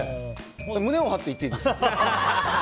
胸を張って言っていいですよ。